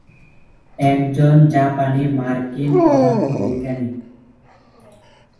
একজন জাপানি-মার্কিন পদার্থবিজ্ঞানী।